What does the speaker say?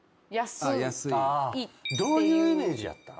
どういうイメージやった？